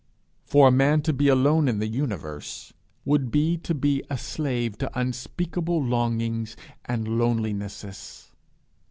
For a man to be alone in the universe would be to be a slave to unspeakable longings and lonelinesses.